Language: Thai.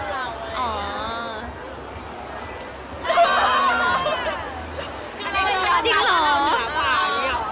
ถ้าหนูบอกว่าไม่ก็ไม่ได้แล้วล่ะค่ะ